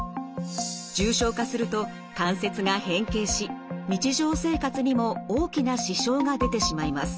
重症化すると関節が変形し日常生活にも大きな支障が出てしまいます。